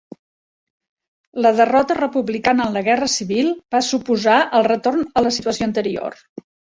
La derrota republicana en la guerra civil va suposar el retorn a la situació anterior.